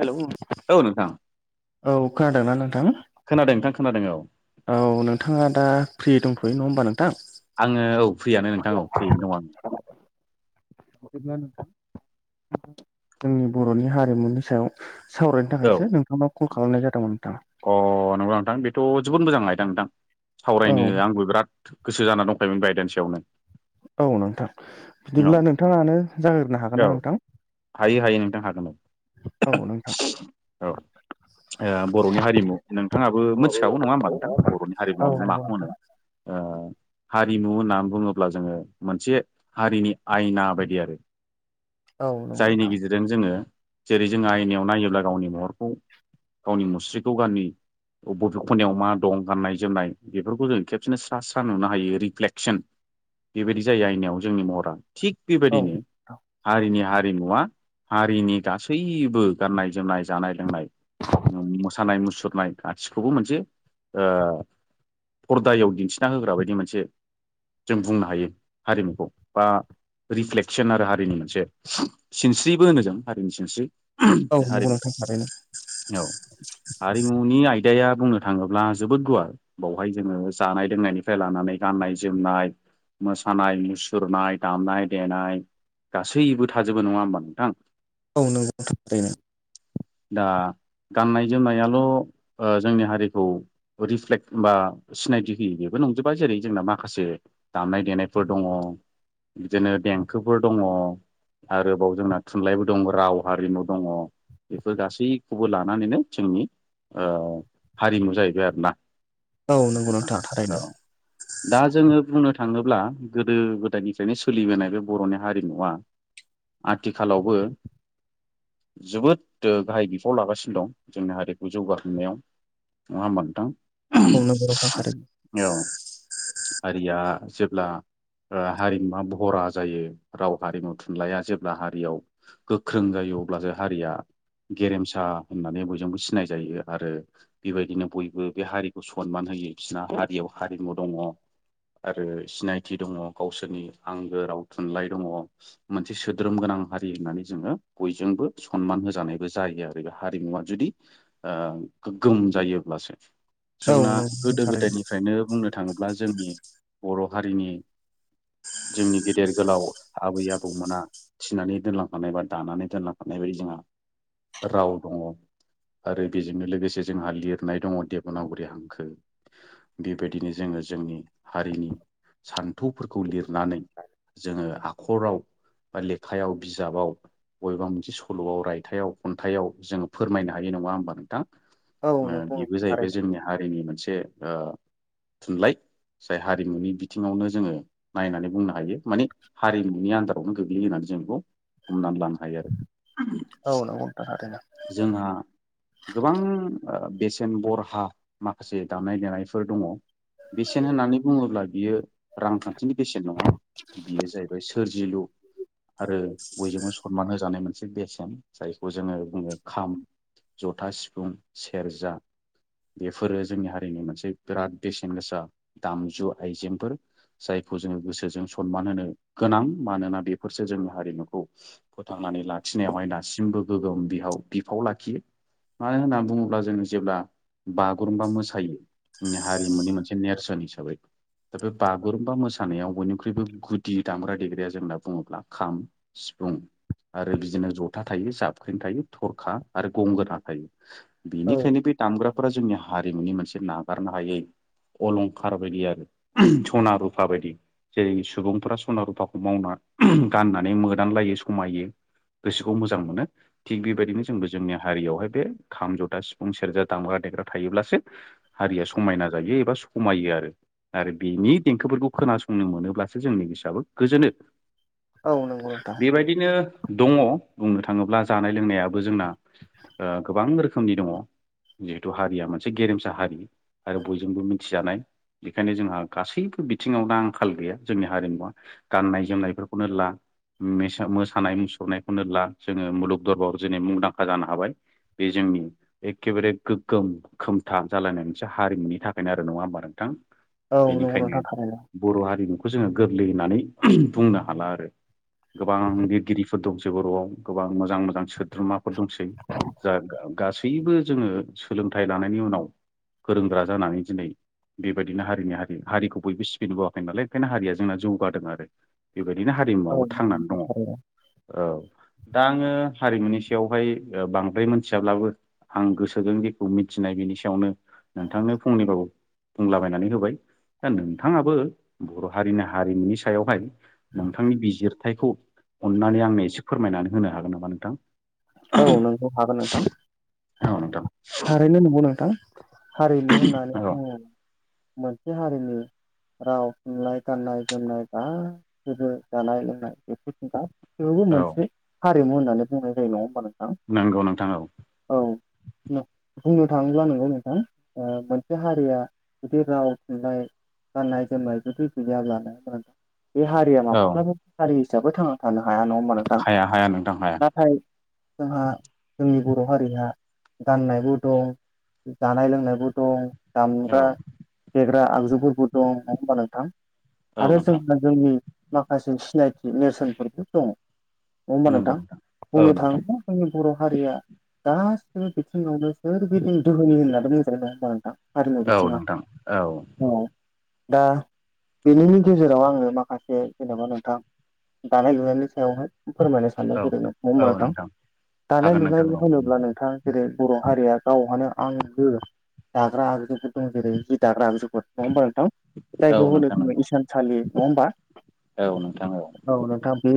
हेल'। औ न सां। औ खोनादोंना नोंथां। खोनादों नोंथां खोनादों औ औ नोंथाङा दा फ्रि दंथ'यो नङ होमबा नोंथां? आङो औ फ्रियानो नोंथां फ्रियैनो दं आङो ब्ला नोंथां जोंनि बर'नि हारिमुनि सायाव सावरायनो आङो थाखायसो नोंथांनाव कल खालामनाय जादोंमोन नोंथाङा अ नंगौना नोंथां बेथ' जोबोद मोजां लायदां नोंथां सावरायनो औ आंबो बिराद। गोसो जाना दंखायोमोन बायदानसेयावनो। औ नोंथां बिदिब्ला नोंथाङानो जागाय्रनो हागोन औ ना नोंथां। हायो हाय नोंथां औ नोंथां [inaudible] औ औ बर'नि हारिमु नोंथाङाबो मिथिखागौ नङा होमबा नोंथां बर'नि औ हारिमुवा मोन नंगौ माखौ नोंथां मोनो। हारिमु होननानै बुङोब्ला जोङो मोनसे हारिनि आयना बायदि आरो। औ नंगौ जायनि नोंथां गि ज। जों जोङो जेरै जो आयनियाव नायोब्ला गावनि महरखौ गावनि मुस्रिखौ गाननि। ब बबे खनायाव मा दं गाननाय जोमनाय बेफोरखौ जों खेबसेनो सा सा नुनो हायो रिफ्लेकसन। बेबायदि जायो आयनायाव जोंनि महरा थिग औ बेबायदिनो। हारिनि हारिमुवा हारिनि गासैबो गाननाय जोमनाय जानाय लोंनाय। मोसानाय मुसुरनाय गासिखौबो मोनसे। फरदायाव दिन्थिना होग्रा बायदि मोनसे जों बुंनो हायो हारिमुखौ बा। रिफ्लेकसन आरो हारिनि मोनसे सिनस्रिबो होनो जों हारिनि सिनस्रि। औ बे नंगौ नोंथां हारिमुखौ थारैनो औ। हारिमुनि आयदाया बुंनो थाङोब्ला जोबोद गुवार। बावहाय जोङो जानाय लोंनायनिफ्राय लानानै गाननाय जोमनाय। मोसानाय मुसुरनाय दामनाय देनाय। गासैबो थाजोबो नङा होमबा नोंथां। औ [inaudible] दा गाननाय जोमनायाल' जोंनि हारिखौ। रिफ्लेक्ट हबा सिनायथि होयोि बेबो नंजोबा जेरै जोंना माखासे। दामनाय देनायफोर दङ बिदिनो देंखोफोर दङ। आरोबाव जोंना थुनलाइबो दङ राव हारिमु दङ बेफोर गासैखौबो लानानैनो। जोंनि हारिमु जाहैबाय आरोोना औ। [inaudible] दा जोङो बुंनो थाङोब्ला गोदो गोदायनिफ्रायनो सोलिबोनाय बे बर'नि हारिमुवा। आथिखालावबो जोबोद गाहाय बिफाव लागासिनो दं। जोंनि हारिखौ जौगाहोनायाव ना मोनथों। बुंनो बर' थांफारि। औ आरिया जेब्ला। हारिमुवा भरा जायो राव हारिमु थुनलाइया जेब्ला हारियाव। गोख्रों जायो अब्लासो हारिया गेरेमसा होननानै बयजोंबो सिनायजायो आरो। बेबायदिनो बयबो बे हारिखौ सनमान होयो बिसना हारियाव हारिमु दङ। आरो सिनायथि दङ गावसोरनि आंगो राव थुनलाइ दङ। मोनसे सोद्रोम गोनां हारि होननानै जोङो बयजोंबो सनमान होजानायबो जायो आरो बे हारिमुवा जुदि। गोग्गोम जायोब्लासो औ जोंना नंगौ नोंथां गोदो थारैनो गोदायनिफ्रायनो बुंनो। थाङोब्ला जोंनि बर' हारिनि। जोंनि गेदेर गोलाव आबै आबौमोना। थिनानै दोनलांखानाय बा दानानै दोनलांखानाय बायदि जोंहा राव दङ। आरो बेजोंनो लोगोसे जोंहा लिरनाय दङ देब'नागरि हांखो। बेबायदिनो जोङो जोंनि हारिनि सान्थौफोरखौ लिरनानै जोङो आखराव बा लेखायाव बिजाबाव बबेबा मोनसे सल'आव रायथाइयाव खन्थाइाव जोङो फोरमायना हायो नङा होमबा नोंथां औ नंगौ ओ नोंथां बेबो जाहैबाय थारैनो जोंनि हारिनि मोनसे ओ थुनलाइ जाय हारिमुनि बिथिङावनो जोङो नायनानै बुंनो हायो माने हारिमुनि आन्दारावनो गोग्लैयो होननानै जों बेखौ। हमनानै लानो हायो आरो। औ नोंथां आरोना। जोंहा गोबां ओ बेसेन बरहा माखासे दामनाय देनायफोर दङ। बेसेन होननानै बुङोब्ला बियो रांखान्थिनि बेसेन नङा। बेयो जाहैबाय सोरजिलु आरो बयजोंबो सनमान होजानाय मोनसे बेसेन जायखौ जोङो बुङो खाम जथा सिफुं सेरजा बेफोरो जोंनि हारिनि मोनसे बिराद बेसेन गोसा दामजु आइजेंफोर जायखौ जोङो गोसोजों सनमान होनो गोनां मानोना बेफोरसो जोंनि हारिमुखौ फोथांनानै लाखिनायावहाय दासिमबो गोगोम बिहाव बिफाव लाखियो। मानो होनना बुङोब्ला जोङो जेब्ला बागुरुम्बा मोसायो नि हारिमुनि मोनसे नेरसोन हिसाबै। दा बे बागुरुम्बा मोसानायाव बयनिख्रुइबो गुदि दामग्रा देग्राया जोंना बुङोब्ला खाम सिफुं आरो बिदिनो जथा थायो जाबख्रिं थायो थरखा आरो गंगोना थाखायो बेनिखायनो बे दामग्राफोरा जोंनि हारिमुनि मोनसे नागारनो हायै अलंखार बायदि आरो सना रुफा बायदि। जेरै सुबुंफोरा सना रुफाखौ मावना गाननानै मोदानलायो समायो गोसोखौ मोजां मोनो थिग बेबायदिनो जोंबो जोंनि हारियावहाय बे खाम जथा सिफुं सेरजा दामग्रा देग्रा थायोब्लासो हारिया समायना जायो एबा समायो आरो आरो बेनि देंखोफोरखौ खोनासंनो मोनोब्लासो जोंनि गोसोआबो गोजोनो। औ नंगौ नोंथां थारैनो औ नंगौ नोंथां बेबायदिनो दङ बुंनो थाङोब्ला जानाय लोंनायाबो जोंना ओ गोबां रोखोमनि दङ जिहेथु हारिया मोनसे गेरेमसा हारि। आरो बयजोंबो मिथिजानाय। बेखायनो जोंहा गासैबो बिथिङाव दा आंखाल गैया जोंनि हारिमुवा। गाननाय जोमनायफोरखौनो ला मेसा-मोसानाय मुसुरनायखौनो ला जोङो मुलुग दरबाव दिनै मुंदांखा जानो हाबाय। बे जोंनि एखेबारे गोगोम खोमथा जालायनाय मोनसे हारिमुनि थाखायनो आरो नङा होमबा नोंथां? औ नंगौ नोंथां बेनिखायनो थारैनो बर' हारिमुखौ जोङो गोरलै होननानै बुंनो हाला आरो। गोबां लिरगिरिफोर दंसै बर'आव गोबां मोजां मोजां सोद्रोमाफोर दंसै। [inaudible] जा गा-गासैबो जोङो सोलोंथाइ लानायनि उनाव गोरों गोरा जानानै दिनै बेबायदिनो हारिनि हारि हारिखौ बयबो सिबिनो बावाखै नालाय ओंखायनो हारिया जोंना जौगादों आरो। बेबायदिनो हारिमुवाबो औ नंगौ थांनानै दङ नोंथां थारैनो औ दा आङो हारिमुनि सायावहाय ओ बांद्राय मोनथियाब्लाबो आं गोसोजों जेखौ मिथिनाय बेनि सायावनो नोंथांनो फंनैबाबो बुंलाबायनानै होबाय दा नोंथाङाबो बर' हारिनि हारिमुनि सायावहाय नोंथांनि बिजिरथायखौ अन्नानै आंनो एसे फोरमायनानै होनो हागोन नामा नोंथां? औ नोंगौ हागोन नोंथां औ नोंथां थारैनो नंगौ नोंथां। हारिमु होननानै औ बुङो मोनसे हारिनि राव थुनलाइ गाननाय जोमनाय गासिबो जानाय लोंनाय बेफोरफोरखौ गा बेवबो औ मोनसे हारिमु होननानै बुंनाय जायो नङा होमबा नोंथां नंगौ नोंथां औ औ बुंनो थाङोब्ला नांगौ नोंथां मोनसे हारिया जुदि राव थुनलाइ गाननाय जोमनाय जुदि गैयाब्लानो बे हारिया औ माब्लाबा हारि हिसाबै थांना थानो हाया नङा होमबा हाया हाया नोंथां हाया हाय जोंहा जोंनि बर' हारिआ गाननायबो दं जानाय लोंनायबो दं दामग्रा औ फेग्रा आगजुफोरबो दं नङा होमबा नोंथां औ आरो नोंथां जों जोंनि माखासे सिनायथि नेरसोनफोरबो दङ नंआ होनबा नोंथां बुं नोंथां जोंनि बर' हारिया गासिबो बिथिङावनो ओरबायदि दोहोनि होननानै जोरदों होमब आ दा हारिमु औ नोंथां औ बिथिङाव औ दा बेनिनो गेजेराव आङो माखासे जेनेबा नोंथां दानाय लुनायनि सायावहाय फोरमायनो औ साननायगिरदों नोंथां दानाय हागोन नोंथां लुनायनि औ बुंङोब्ला नों जेरै बर' हारिया गावहानो आंगो जाग्रा आं दं जेरै जि दाग्रा आगजुफोर नंङा होनबा नोंथां जायखौ औ होनो नोंथां नंगौ जोंङो इसानसालि नङा होमबा औ नोंथां बे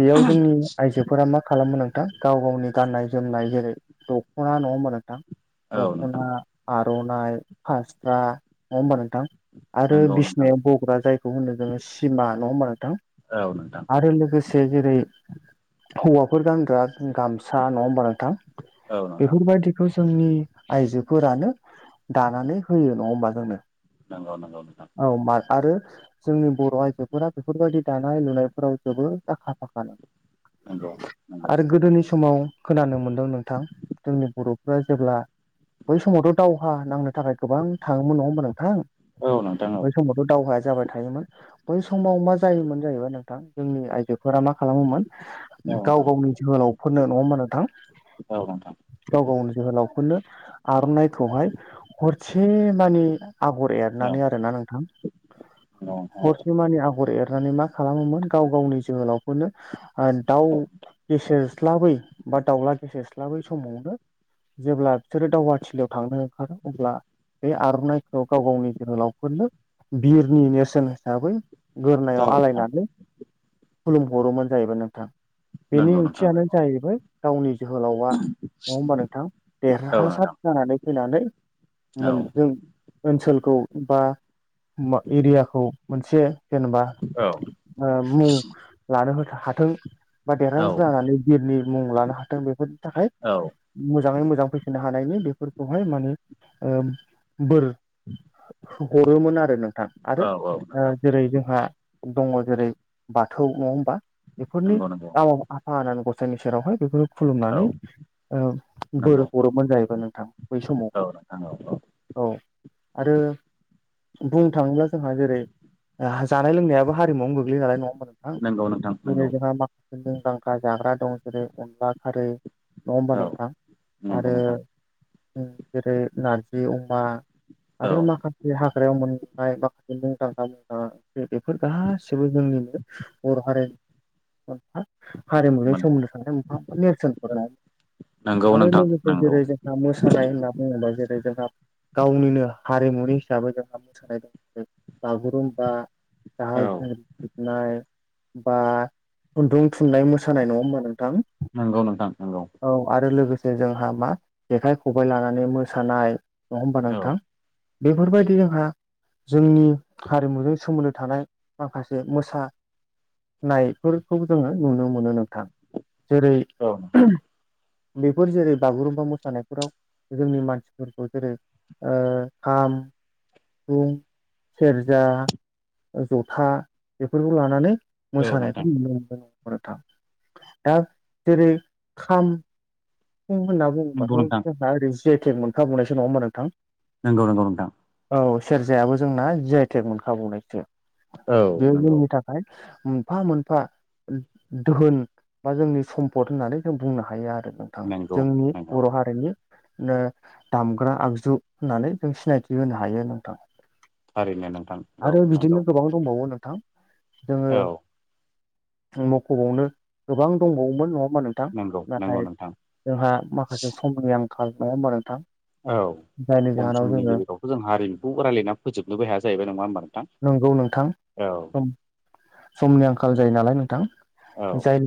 बेयाव जोंनि आइजोफोरा मा खालामो नों थां गाव गावनि गाननाय जोमनाय जेरै दख'ना नङा होमबा नोंथां औ नोंथां दख'ना आर'नाइ फास्रा नङा होमबा नोंथां आरो नंगौ नोंथां बिसिनायाव ब ग्रा जायखौ होनो जोंङो सिमा नङा होनोमबा नोंथां औ नोंथां आरो लोगोसे जेरै हौवाफोर गानग्रा गामसा नङा होमबा नों थां औ नोंथां बिफोर बायदि बेखौ जोंनि आइजोफोरानो दानानै होयो नङा होमबा जोंनो नंगौ नंगौ नोंथां औ मा आरो जोंनि बर' आइजोफोरा बेफोरबायदि दानाय लुनायफोराव जोबोद आखा फाखा नंगौ नंगौ आरो गोदोनि समाव खोनानो मोनदों नोंथां जोंनि बर'फ्रा जेब्ला बै समावथ' दावहा नांनो थाखाय गोबां थाङोमोन नङा होमबा नोंथां औ नोंथां औ बे दावहाया जाबाय थायोमोन। बै समाव मा जायोमोन जाहैबाय नोंथां जोंनि आयजोफोरा मा खालामोमोन औ गाव नोंथां गावनि जोहोलावफोरनो नङा होनबा नोंथां औ नोंथां गाव गावनि जोहोलाव फोरनो आर'नाइखौहाय हरसे मानि आगर ए रनानै औ आरोना नोंथां नंगौ नोंथां हरसे मानि आगर एरनानै मा खालामोमोन गाव गावनि जोहोलावखौनो दाउ औ गेसेेरस्लाबै बा दाउला गेसेेरस्लाबै समावनो जेब्ला बिसोरो दावहाथिलियाव थांनो ओंखारो अब्ला बे आर'नाइखौ गाव गावनि जोहोलावफोरनो बिरनि नेरसोन हिसाबै औ गोरनायाव नोंथां आलायनानै खुलुमहरोमोन जाहैबाय नोंथां बेनि नंगौ नोंथां ओंथियानो नंगौ जाहैबाय गावनि जोहोलावा नङा होमबा नोंथां औ देरहासार नोंथां जानानै फैनानै औ मोन जों ओनसोलखौ बा मा एरियाखौ मोनसे जेनेबा औ ओ मुं लानो हाथों बा औ देरहासार जानानै बिरनि मुं लानो हाथों बेफोरनि थाखाय औ मोजाङै मोजां फैफिननो हानायनि बेफोरखौहाय माने ओ बोर हरोमोन आरो नोंथां आरो औ ओ नोंथां जेरै जोंहा दङ जेरै बाथौ नङा होमबा बेफोरनि नंगौ नंगौ आफा गसाइनि सेरावहाय बेखौ औ खुलुमनानै ओं नंगौ बोर हरोमोन जाहैबाय नोंथां बै औ नोंथां औ औ समाव औ आरो बुंनो थाङोब्ला जोंहा जेरै जानाय लोंनायाबो हारिमुआवनो गोग्लै नालाय नङा होमबा नों नंगौ नोंथां नंगौ जेरै जोंहा माखासे मुंदांखा जाग्रा दं जेरै अनला खारै नङा होमबा औ नोंथां नंगौ आरो नोंथां जेरै नारजि अमा औ आरो माखासे हाग्रायाव मोननाय माखासे मुंदांखा मोजां बेफोर गासैबो जोंनिनो बर हारिनि मा हारिमुजों सोमोन्दो थानाय मोनफा मोनफा नेरसोनफोर नंगौ नङा आरो नोंथां लोगोसे नंगौ जेरै जों मोसानाय होनना बुङोबा जेरै जोंहा गावनिनो हारिमुनि हिसाबै जोंहा मोसानाय दं बागुरुम्बा औ दाहाल थुंग्रि सिबनाय बा खुन्दुं थुननाइ मोसानाय नङा होनबा नोंथां? नंगौ नोंथां नंगौ औ आरो लोगोसे जोंहा मा जेखाइ खबाइ लानानै मोसानाय नङा होनबा औ नोंथां? बेफोरबायदि जोंहा जोंनि हारिमुजों सोमोन्दो थानाय माखासे मोसानाय फोरखौ जोङो नुनो मोनो नोंथां। जेरै औ नोंथां। बेफोर जेरै बागुरुम्बा मोसानायफोराव जोंनि मानसिफोरखौ जेरै ओ खाम, सिफुं, सेरजा ओ जथा बेफोरखौ लानानै औ नोंथां मोसानायखौ नुनो मोनदों नोंथां। दा जेरै खाम फुं होनना बुङोबाथ' नंगौ नोंथां जोंहा ओरै जि आइ तेक मोनखा बावनायसो नङा होमबा नोंथां। नोंगौ नोंगौ नोंथां। औ सेरजायाबो जोंना जि आइटेक मोनखाबावनायसो। औ बेयो नंगौ। जोंनि थाखाय खाय मोनफा मोनफा दोहोन बा जोंनि सम्पद होननानै जों बुंनो हायो आरो नोंथां। नंगौ जोंनि नंगौ बर हारिनि नो दामग्रा आगजु होननानै जों सिनायथि होनो हायो नोंथां। थारैनो नोंथां औ आरो नंगौ बिदिनो गोबां दंबावो नोंथां जोङो औ मखबावनो गोबां दंबावोमोन नङा होनबा नोंथां? नंगौ नंगौ नाथाय नोंथां जोंहा माखासे समनि आंखाल नङा होनबा नोंथां? औ। जायनि खम जाहोनाव समनि जोङो गेजेरावथ जोंहा ओरैनोथ रायलायना फोजोबनोबो हाया जाहैबाय नङा होमबा नोंथां? नंगौ नोंथां औ सम समनि आंखाल जायो नालाय नोंथां औ जाय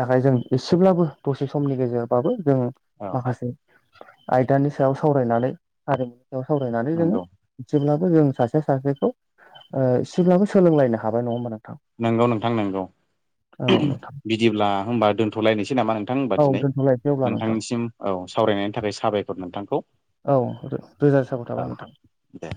थाखाय जों एसेब्लाबो दसे समनि गेजेरबाबो जों औ माखासे आयदानि सायाव सावरायनानै हारिमुनि सायाव सावरायनानै जोङो नंगौ जेब्लाबो जों सासे सासेखौ ओ एसेब्लाबो सोलोंलायनो हाबाय नङा होनबा नोंथां। नोंगौ नोंथां नोंगौ। औ नोंथां बिदिब्ला होमबा दोनथलायनोसै नामा नोंथां होनबा औ दिनै? दोनथ'लायसै अब्ला नोंथां नोंथांनिसिम औ सावरायनायनि थाखाय साबायखर नोंथांखौ। औ रो रोजा साबायखर थाबाय औ नोंथां। दे।